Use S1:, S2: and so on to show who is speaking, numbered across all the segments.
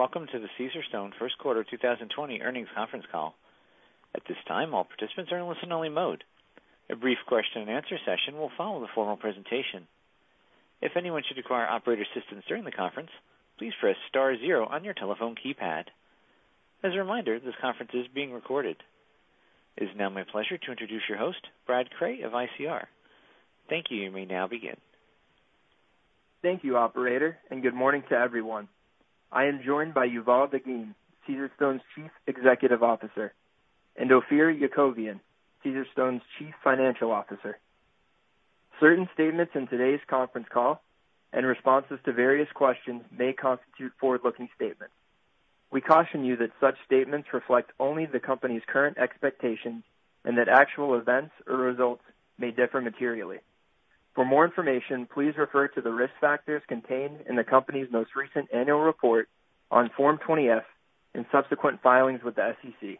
S1: Welcome to the Caesarstone first quarter 2020 earnings conference call. At this time, all participants are in listen-only mode. A brief question and answer session will follow the formal presentation. If anyone should require operator assistance during the conference, please press star zero on your telephone keypad. As a reminder, this conference is being recorded. It is now my pleasure to introduce your host, Brad Cray of ICR. Thank you. You may now begin.
S2: Thank you operator, and good morning to everyone. I am joined by Yuval Dagim, Caesarstone's Chief Executive Officer, and Ophir Yakovian, Caesarstone's Chief Financial Officer. Certain statements in today's conference call and responses to various questions may constitute forward-looking statements. We caution you that such statements reflect only the company's current expectations, and that actual events or results may differ materially. For more information, please refer to the risk factors contained in the company's most recent annual report on Form 20-F, and subsequent filings with the SEC.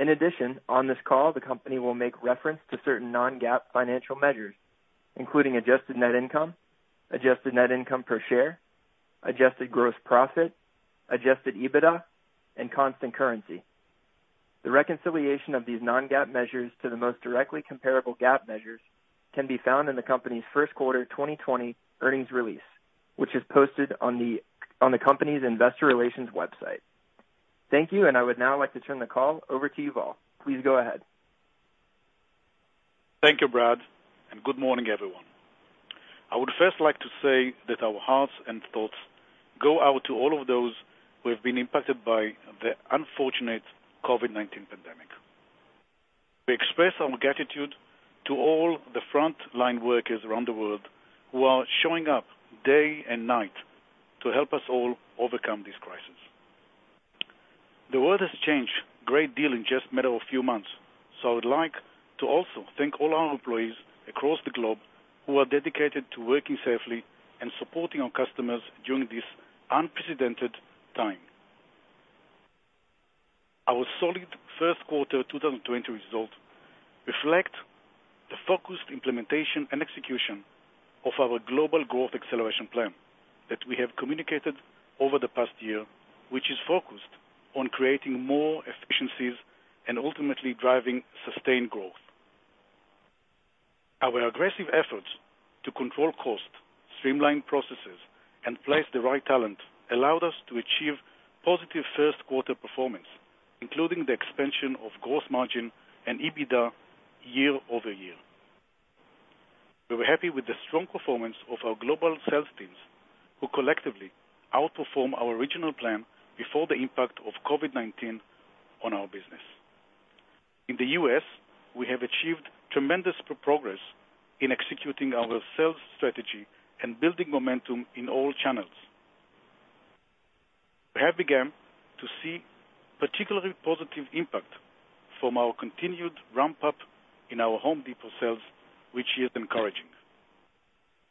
S2: In addition, on this call, the company will make reference to certain non-GAAP financial measures, including adjusted net income, adjusted net income per share, adjusted gross profit, adjusted EBITDA, and constant currency. The reconciliation of these non-GAAP measures to the most directly comparable GAAP measures can be found in the company's first quarter 2020 earnings release, which is posted on the company's investor relations website. Thank you. I would now like to turn the call over to Yuval. Please go ahead.
S3: Thank you Brad, and good morning everyone. I would first like to say that our hearts and thoughts go out to all of those who have been impacted by the unfortunate COVID-19 pandemic. We express our gratitude to all the frontline workers around the world who are showing up day and night to help us all overcome this crisis. The world has changed great deal in just matter of few months, so I would like to also thank all our employees across the globe who are dedicated to working safely and supporting our customers during this unprecedented time. Our solid first quarter 2020 result reflect the focused implementation and execution of our Global Growth Acceleration Plan that we have communicated over the past year, which is focused on creating more efficiencies and ultimately driving sustained growth. Our aggressive efforts to control cost, streamline processes, and place the right talent allowed us to achieve positive first quarter performance, including the expansion of gross margin and EBITDA year-over-year. We were happy with the strong performance of our global sales teams, who collectively outperformed our original plan before the impact of COVID-19 on our business. In the U.S., we have achieved tremendous progress in executing our sales strategy and building momentum in all channels. We have began to see particularly positive impact from our continued ramp-up in our Home Depot sales, which is encouraging.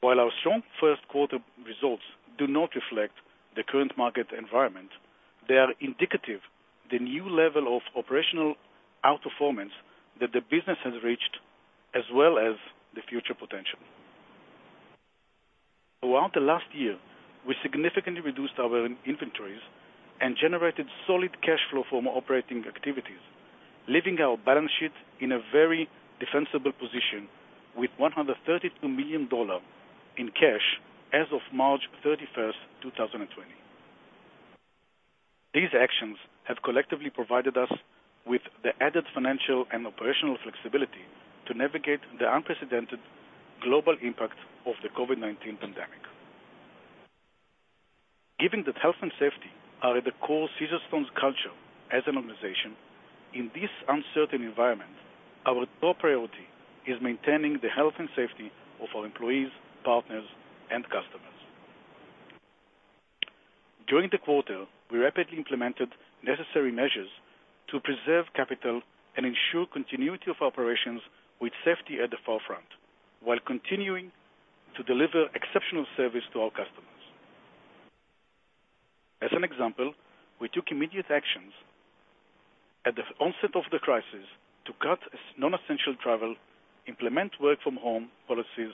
S3: While our strong first quarter results do not reflect the current market environment, they are indicative the new level of operational outperformance that the business has reached, as well as the future potential. Throughout the last year, we significantly reduced our inventories and generated solid cash flow from operating activities, leaving our balance sheet in a very defensible position with $132 million in cash as of March 31st, 2020. These actions have collectively provided us with the added financial and operational flexibility to navigate the unprecedented global impact of the COVID-19 pandemic. Given that health and safety are at the core of Caesarstone's culture as an organization, in this uncertain environment, our top priority is maintaining the health and safety of our employees, partners, and customers. During the quarter, we rapidly implemented necessary measures to preserve capital and ensure continuity of operations with safety at the forefront, while continuing to deliver exceptional service to our customers. As an example, we took immediate actions at the onset of the crisis to cut non-essential travel, implement work from home policies,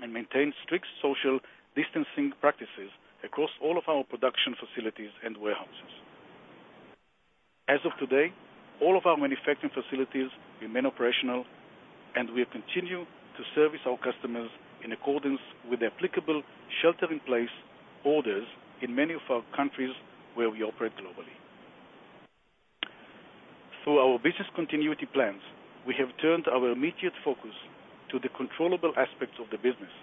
S3: and maintain strict social distancing practices across all of our production facilities and warehouses. As of today, all of our manufacturing facilities remain operational, and we have continued to service our customers in accordance with the applicable shelter in place orders in many of our countries where we operate globally. Through our business continuity plans, we have turned our immediate focus to the controllable aspects of the business,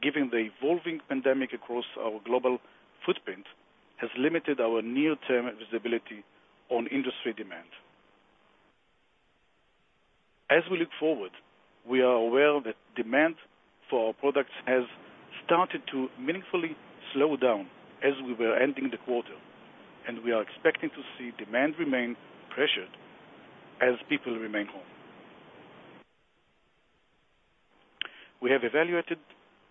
S3: given the evolving pandemic across our global footprint has limited our near-term visibility on industry demand. As we look forward, we are aware that demand for our products has started to meaningfully slow down as we were ending the quarter, and we are expecting to see demand remain pressured as people remain home. We have evaluated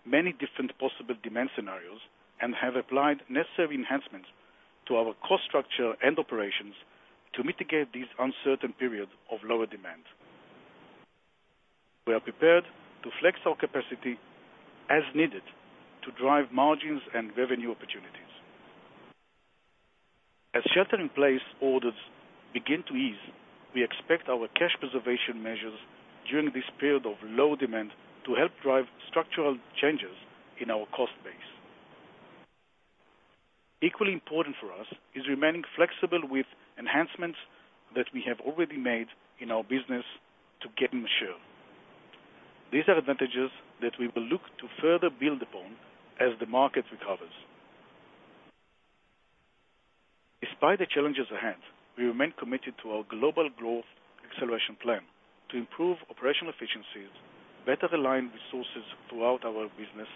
S3: many different possible demand scenarios and have applied necessary enhancements to our cost structure and operations to mitigate this uncertain period of lower demand. We are prepared to flex our capacity as needed to drive margins and revenue opportunities. As shelter-in-place orders begin to ease, we expect our cash preservation measures during this period of low demand to help drive structural changes in our cost base. Equally important for us is remaining flexible with enhancements that we have already made in our business to get mature. These are advantages that we will look to further build upon as the market recovers. Despite the challenges ahead, we remain committed to our Global Growth Acceleration Plan to improve operational efficiencies, better align resources throughout our business,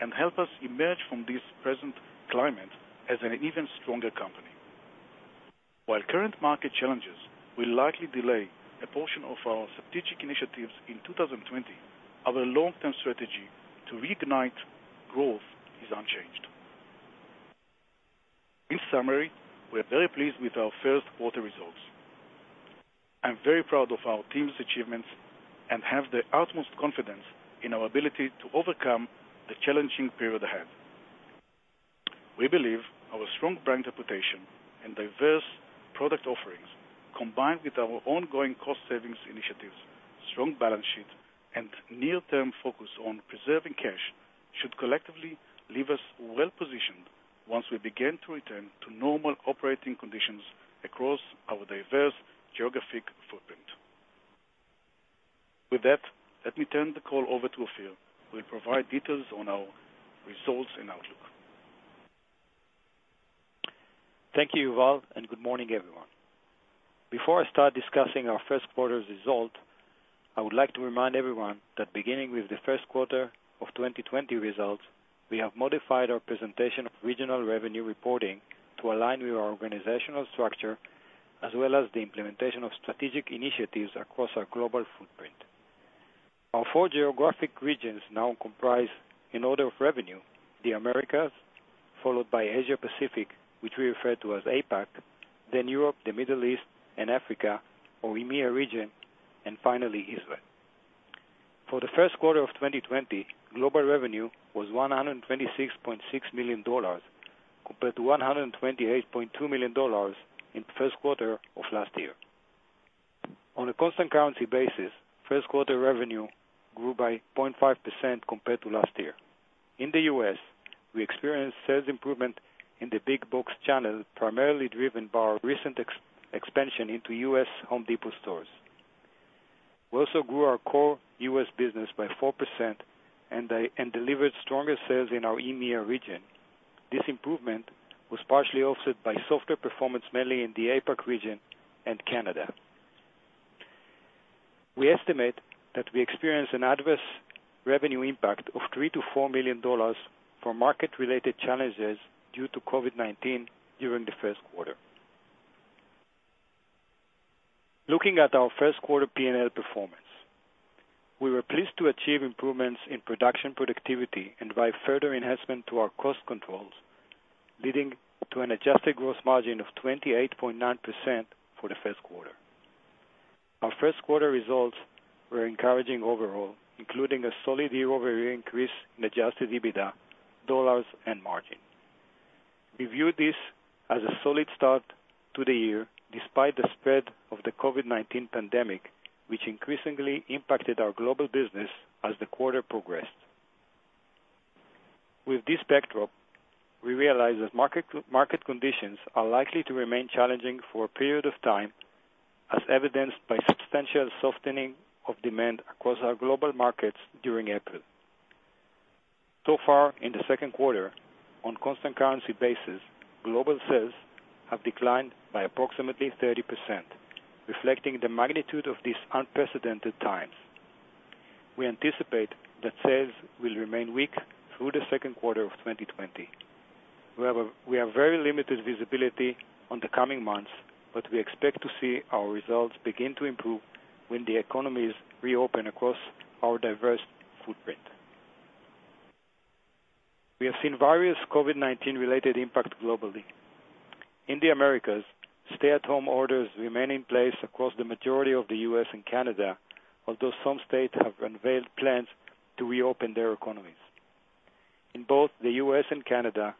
S3: and help us emerge from this present climate as an even stronger company. While current market challenges will likely delay a portion of our strategic initiatives in 2020, our long-term strategy to reignite growth is unchanged. In summary, we are very pleased with our first quarter results. I'm very proud of our team's achievements and have the utmost confidence in our ability to overcome the challenging period ahead. We believe our strong brand reputation and diverse product offerings, combined with our ongoing cost savings initiatives, strong balance sheet, and near-term focus on preserving cash, should collectively leave us well-positioned once we begin to return to normal operating conditions across our diverse geographic footprint. With that, let me turn the call over to Ophir, who will provide details on our results and outlook.
S4: Thank you Yuval and good morning, everyone. Before I start discussing our first quarter's result, I would like to remind everyone that beginning with the first quarter of 2020 results, we have modified our presentation of regional revenue reporting to align with our organizational structure, as well as the implementation of strategic initiatives across our global footprint. Our four geographic regions now comprise, in order of revenue, the Americas, followed by Asia Pacific, which we refer to as APAC, then Europe, the Middle East, and Africa, or EMEA region, and finally Israel. For the first quarter of 2020, global revenue was $126.6 million, compared to $128.2 million in the first quarter of last year. On a constant currency basis, first quarter revenue grew by 0.5% compared to last year. In the U.S., we experienced sales improvement in the big box channel, primarily driven by our recent expansion into US Home Depot stores. We also grew our core U.S. business by 4% and delivered stronger sales in our EMEA region. This improvement was partially offset by softer performance, mainly in the APAC region and Canada. We estimate that we experienced an adverse revenue impact of $3 million-$4 million for market-related challenges due to COVID-19 during the first quarter. Looking at our first quarter P&L performance, we were pleased to achieve improvements in production productivity and drive further enhancement to our cost controls, leading to an adjusted gross margin of 28.9% for the first quarter. Our first quarter results were encouraging overall, including a solid year-over-year increase in adjusted EBITDA dollars and margin. We view this as a solid start to the year, despite the spread of the COVID-19 pandemic, which increasingly impacted our global business as the quarter progressed. With this backdrop, we realize that market conditions are likely to remain challenging for a period of time, as evidenced by substantial softening of demand across our global markets during April. So far in the second quarter, on a constant currency basis, global sales have declined by approximately 30%, reflecting the magnitude of these unprecedented times. We anticipate that sales will remain weak through the second quarter of 2020. We have very limited visibility on the coming months, but we expect to see our results begin to improve when the economies reopen across our diverse footprint. We have seen various COVID-19-related impacts globally. In the Americas, stay-at-home orders remain in place across the majority of the U.S. and Canada, although some states have unveiled plans to reopen their economies. In both the U.S. and Canada,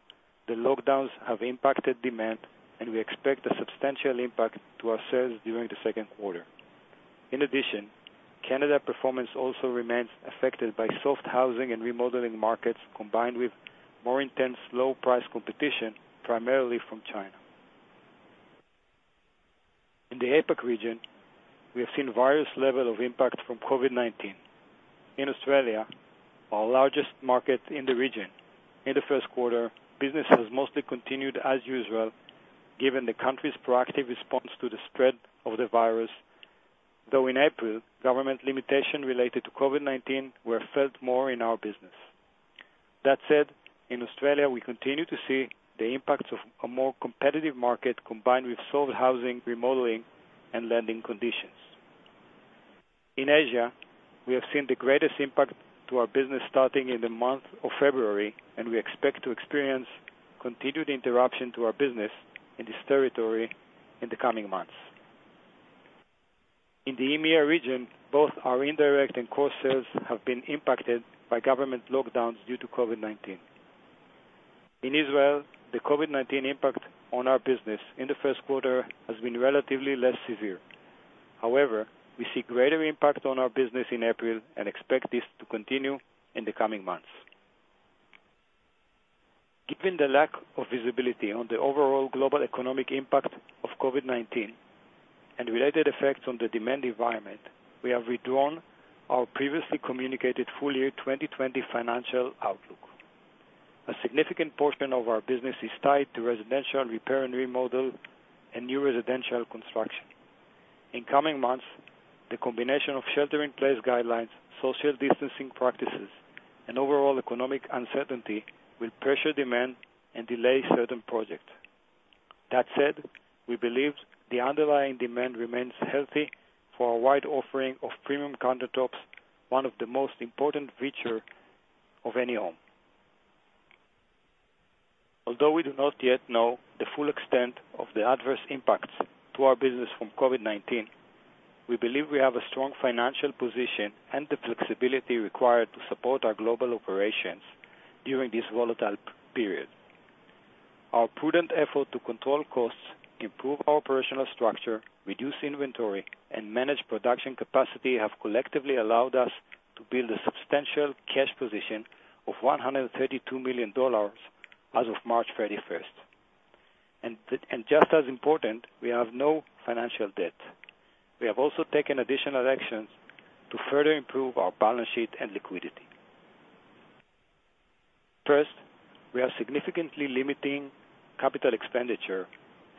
S4: the lockdowns have impacted demand, and we expect a substantial impact to our sales during the second quarter. In addition, Canada performance also remains affected by soft housing and remodeling markets, combined with more intense low-price competition, primarily from China. In the APAC region, we have seen various levels of impact from COVID-19. In Australia, our largest market in the region, in the first quarter, business has mostly continued as usual given the country's proactive response to the spread of the virus, though in April, government limitations related to COVID-19 were felt more in our business. That said, in Australia, we continue to see the impacts of a more competitive market combined with slow housing, remodeling, and lending conditions. In Asia, we have seen the greatest impact to our business starting in the month of February, and we expect to experience continued interruption to our business in this territory in the coming months. In the EMEA region, both our indirect and core sales have been impacted by government lockdowns due to COVID-19. In Israel, the COVID-19 impact on our business in the first quarter has been relatively less severe. However, we see greater impact on our business in April and expect this to continue in the coming months. Given the lack of visibility on the overall global economic impact of COVID-19 and related effects on the demand environment, we have withdrawn our previously communicated full year 2020 financial outlook. A significant portion of our business is tied to residential repair and remodel, and new residential construction. In coming months, the combination of shelter-in-place guidelines, social distancing practices, and overall economic uncertainty will pressure demand and delay certain projects. That said, we believe the underlying demand remains healthy for our wide offering of premium countertops, one of the most important feature of any home. Although we do not yet know the full extent of the adverse impacts to our business from COVID-19, we believe we have a strong financial position and the flexibility required to support our global operations during this volatile period. Our prudent effort to control costs, improve our operational structure, reduce inventory, and manage production capacity have collectively allowed us to build a substantial cash position of $132 million as of March 31st. Just as important, we have no financial debt. We have also taken additional actions to further improve our balance sheet and liquidity. First, we are significantly limiting capital expenditure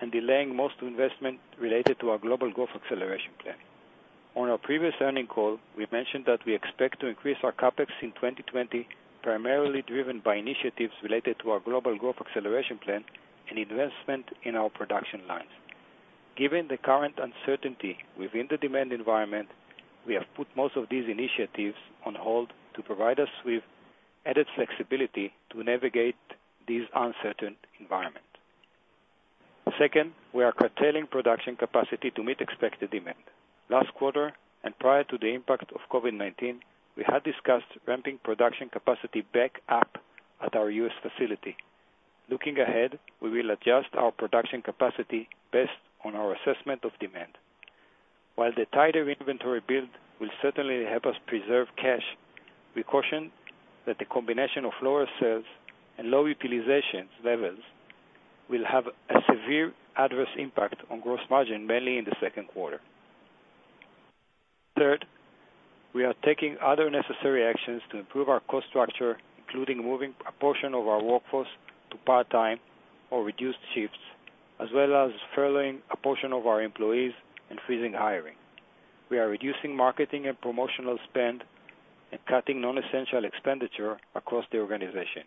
S4: and delaying most investment related to our global growth acceleration plan. On our previous earnings call, we mentioned that we expect to increase our CapEx in 2020, primarily driven by initiatives related to our global growth acceleration plan and investment in our production lines. Given the current uncertainty within the demand environment, we have put most of these initiatives on hold to provide us with added flexibility to navigate this uncertain environment. Second, we are curtailing production capacity to meet expected demand. Last quarter, and prior to the impact of COVID-19, we had discussed ramping production capacity back up at our U.S. facility. Looking ahead, we will adjust our production capacity based on our assessment of demand. While the tighter inventory build will certainly help us preserve cash, we caution that the combination of lower sales and low utilization levels will have a severe adverse impact on gross margin mainly in the second quarter. Third, we are taking other necessary actions to improve our cost structure, including moving a portion of our workforce to part-time or reduced shifts, as well as furloughing a portion of our employees and freezing hiring. We are reducing marketing and promotional spend and cutting non-essential expenditure across the organization,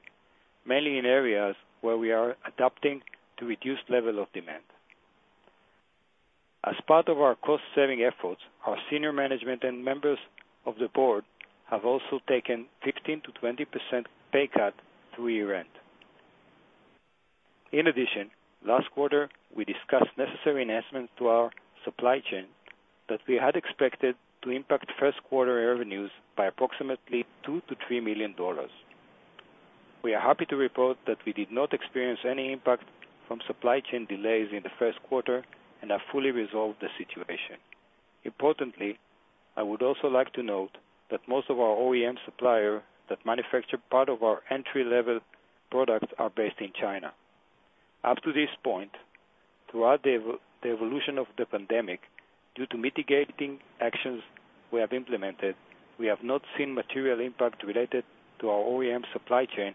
S4: mainly in areas where we are adapting to reduced level of demand. As part of our cost-saving efforts, our senior management and members of the board have also taken 15%-20% pay cut through year-end. In addition, last quarter, we discussed necessary enhancements to our supply chain that we had expected to impact first quarter revenues by approximately $2 million-$3 million. We are happy to report that we did not experience any impact from supply chain delays in the first quarter and have fully resolved the situation. Importantly, I would also like to note that most of our OEM supplier that manufacture part of our entry-level products are based in China. Up to this point, throughout the evolution of the pandemic, due to mitigating actions we have implemented, we have not seen material impact related to our OEM supply chain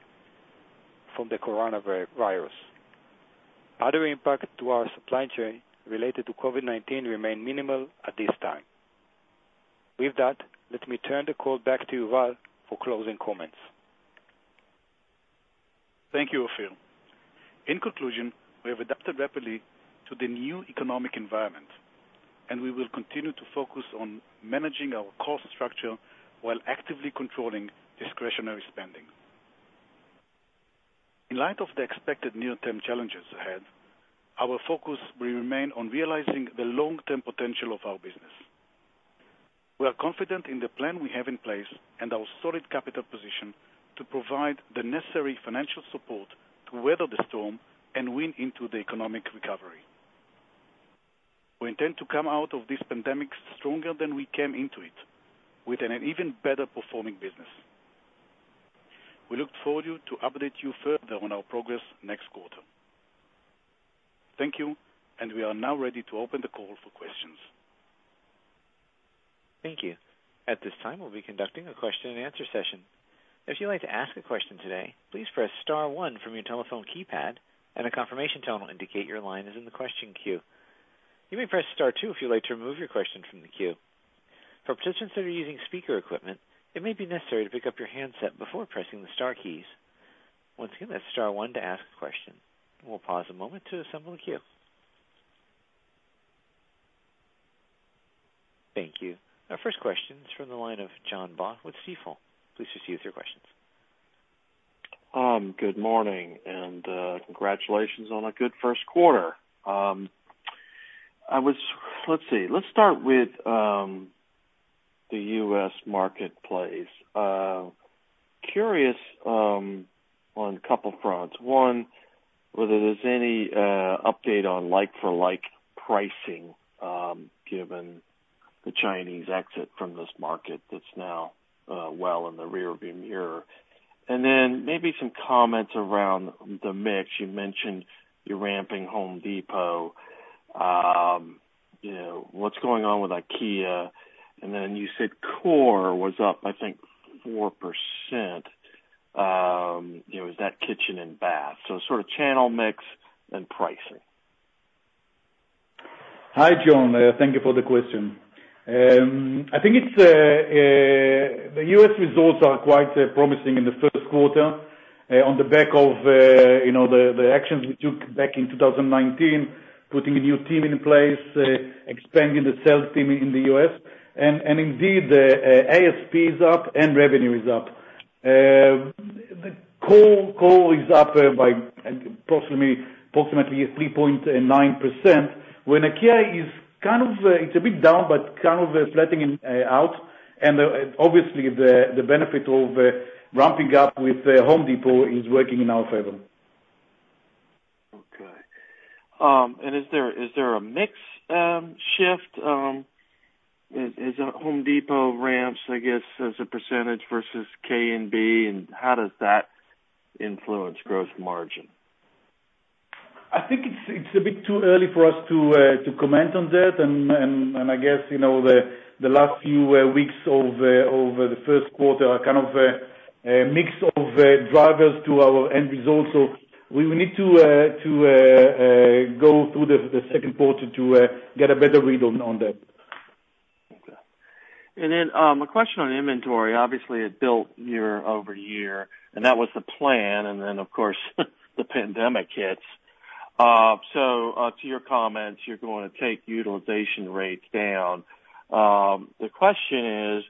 S4: from the coronavirus. Other impact to our supply chain related to COVID-19 remain minimal at this time. With that, let me turn the call back to Yuval for closing comments.
S3: Thank you Ophir. In conclusion, we have adapted rapidly to the new economic environment, and we will continue to focus on managing our cost structure while actively controlling discretionary spending. In light of the expected near-term challenges ahead, our focus will remain on realizing the long-term potential of our business. We are confident in the plan we have in place and our solid capital position to provide the necessary financial support to weather the storm and win into the economic recovery. We intend to come out of this pandemic stronger than we came into it, with an even better performing business. We look forward to update you further on our progress next quarter. Thank you, and we are now ready to open the call for questions.
S1: Thank you. At this time, we'll be conducting a question and answer session. If you'd like to ask a question today, please press star one from your telephone keypad, and a confirmation tone will indicate your line is in the question queue. You may press star two if you'd like to remove your question from the queue. For participants that are using speaker equipment, it may be necessary to pick up your handset before pressing the star keys. Once again, that's star one to ask a question. We'll pause a moment to assemble the queue Thank you. Our first question is from the line of John Baugh with Stifel. Please proceed with your questions.
S5: Good morning. Congratulations on a good first quarter. Let's see. Let's start with the U.S. marketplace. Curious on a couple fronts. One, whether there's any update on like-for-like pricing, given the Chinese exit from this market that's now well in the rear-view mirror. Maybe some comments around the mix. You mentioned you're ramping Home Depot. What's going on with IKEA? You said core was up, I think, 4%. Is that kitchen and bath? Sort of channel mix and pricing?
S3: Hi, John. Thank you for the question. I think the U.S. results are quite promising in the first quarter, on the back of the actions we took back in 2019, putting a new team in place, expanding the sales team in the U.S. Indeed, ASP is up and revenue is up. The core is up by approximately 3.9%, when IKEA is a bit down but kind of flattening out. Obviously, the benefit of ramping up with Home Depot is working in our favor.
S5: Okay. Is there a mix shift as Home Depot ramps, I guess, as a percentage versus K&B, and how does that influence gross margin?
S3: I think it's a bit too early for us to comment on that. I guess, the last few weeks of the first quarter are kind of a mix of drivers to our end results. We will need to go through the second quarter to get a better read on that.
S5: Okay. Then, a question on inventory. Obviously, it built year-over-year, and that was the plan, and then, of course, the pandemic hits. To your comments, you're going to take utilization rates down. The question is,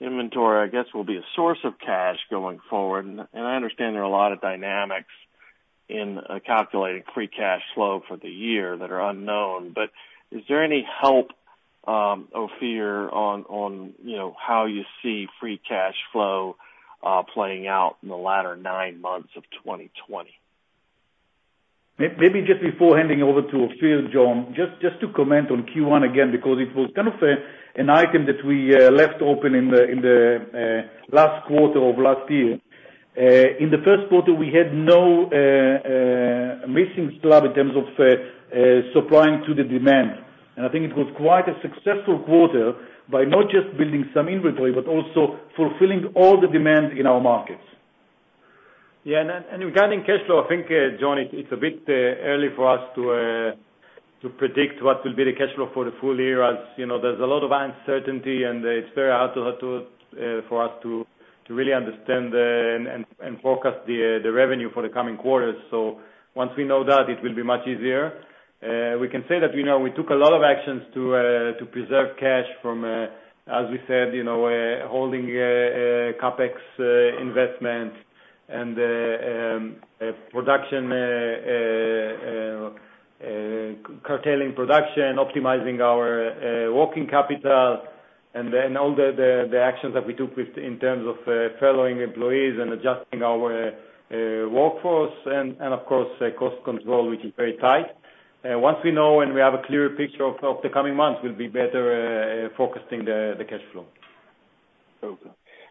S5: inventory, I guess, will be a source of cash going forward. I understand there are a lot of dynamics in calculating free cash flow for the year that are unknown. Is there any hope, Ophir, on how you see free cash flow playing out in the latter nine months of 2020?
S3: Maybe just before handing over to Ophir, John, just to comment on Q1 again, because it was kind of an item that we left open in the last quarter of last year. In the first quarter, we had no missing slab in terms of supplying to the demand. I think it was quite a successful quarter by not just building some inventory, but also fulfilling all the demand in our markets.
S4: Yeah. Regarding cash flow, I think, John, it's a bit early for us to predict what will be the cash flow for the full year, as there's a lot of uncertainty, and it's very hard for us to really understand and forecast the revenue for the coming quarters. Once we know that, it will be much easier. We can say that we took a lot of actions to preserve cash from, as we said, holding CapEx investment and curtailing production, optimizing our working capital, all the actions that we took in terms of furloughing employees and adjusting our workforce and, of course, cost control, which is very tight. Once we know and we have a clearer picture of the coming months, we'll be better at focusing the cash flow.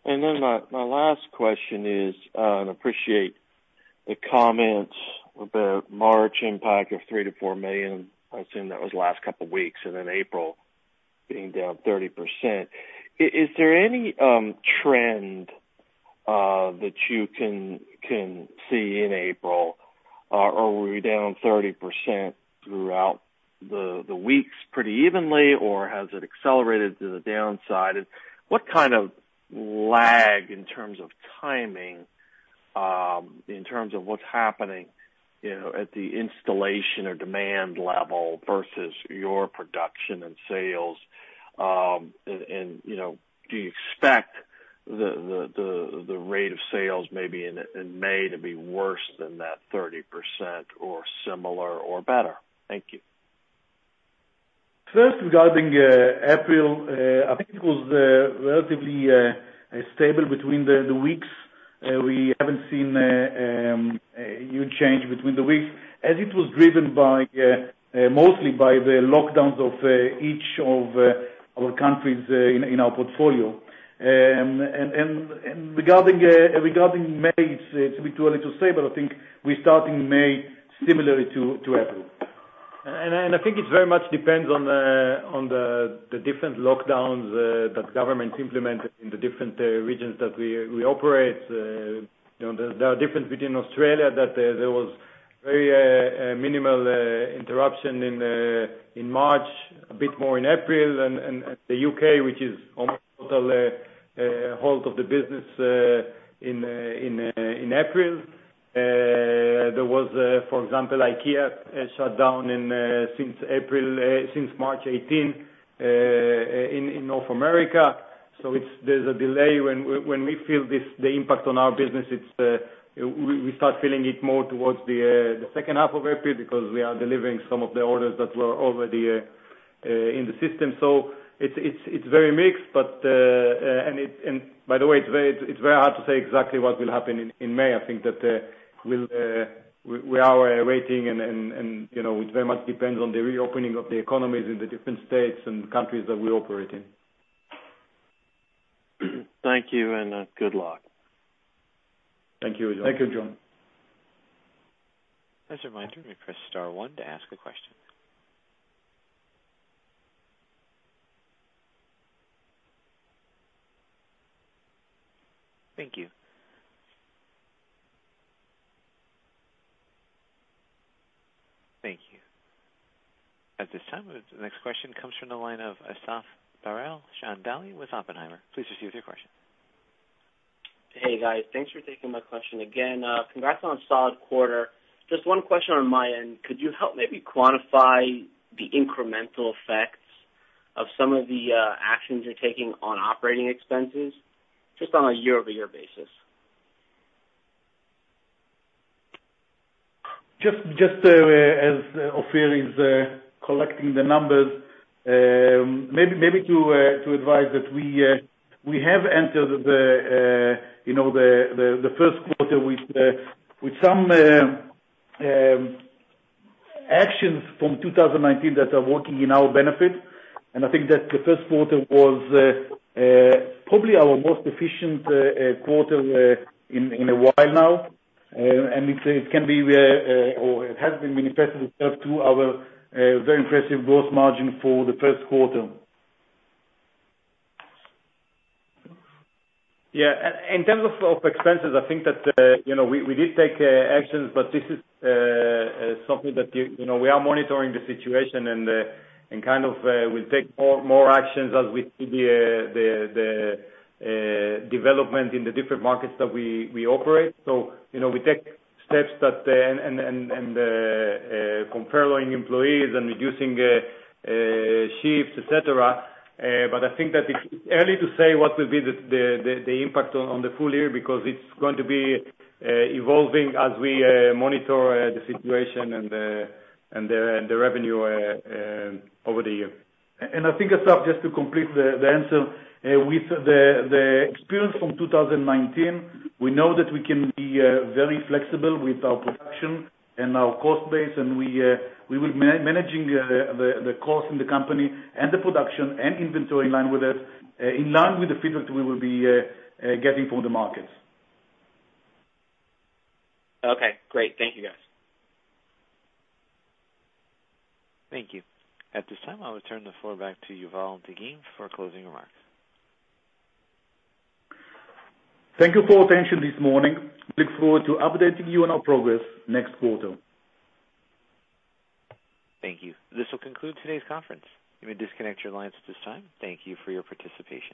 S5: Okay. My last question is, I appreciate the comments about March impact of $3 million-$4 million. I assume that was the last couple weeks, April being down 30%. Is there any trend that you can see in April, or were you down 30% throughout the weeks pretty evenly, or has it accelerated to the downside? What kind of lag in terms of timing, in terms of what's happening at the installation or demand level versus your production and sales? Do you expect the rate of sales maybe in May to be worse than that 30% or similar or better? Thank you.
S3: First, regarding April, I think it was relatively stable between the weeks. We haven't seen a huge change between the weeks, as it was driven mostly by the lockdowns of each of our countries in our portfolio. Regarding May, it's a bit too early to say, but I think we're starting May similarly to April.
S4: I think it very much depends on the different lockdowns that governments implemented in the different regions that we operate. There are differences between Australia, that there was very minimal interruption in March, a bit more in April, and the U.K., which is almost total halt of the business in April. There was, for example, IKEA shut down since March 18, in North America. There's a delay when we feel the impact on our business, we start feeling it more towards the second half of April, because we are delivering some of the orders that were already in the system. It's very mixed, and by the way, it's very hard to say exactly what will happen in May. I think that we are waiting, and it very much depends on the reopening of the economies in the different states and countries that we operate in.
S5: Thank you and good luck.
S3: Thank you John.
S4: Thank you John.
S1: As a reminder, you may press star one to ask a question. Thank you. Thank you. At this time, the next question comes from the line of Asaf Barel Chandali with Oppenheimer. Please proceed with your question.
S6: Hey guys. Thanks for taking my question again. Congrats on a solid quarter. Just one question on my end, could you help maybe quantify the incremental effects of some of the actions you're taking on operating expenses, just on a year-over-year basis?
S3: Just as Ophir is collecting the numbers, maybe to advise that we have entered the first quarter with some actions from 2019 that are working in our benefit. I think that the first quarter was probably our most efficient quarter in a while now. It has been manifested through our very impressive gross margin for the first quarter.
S4: Yeah. In terms of expenses, I think that we did take actions, but this is something that we are monitoring the situation and kind of will take more actions as we see the development in the different markets that we operate. We take steps that, and compelling employees and reducing shifts, et cetera. I think that it's early to say what will be the impact on the full year, because it's going to be evolving as we monitor the situation and the revenue over the year.
S3: I think, Asaf, just to complete the answer, with the experience from 2019, we know that we can be very flexible with our production and our cost base, and we will be managing the cost in the company and the production and inventory in line with the feedback we will be getting from the markets.
S6: Okay great. Thank you guys.
S1: Thank you. At this time, I will turn the floor back to Yuval Dagim for closing remarks.
S3: Thank you for your attention this morning. Look forward to updating you on our progress next quarter.
S1: Thank you. This will conclude today's conference. You may disconnect your lines at this time. Thank you for your participation.